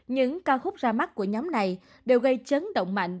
những ca khúc ra mắt của nhóm này đều gây chấn động mạnh